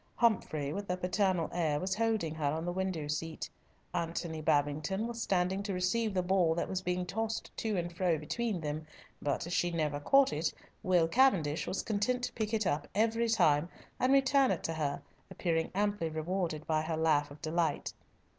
Humfrey, with a paternal air, was holding her on the window seat; Antony Babington was standing to receive the ball that was being tossed to and fro between them, but as she never caught it, Will Cavendish was content to pick it up every time and return it to her, appearing amply rewarded by her laugh of delight.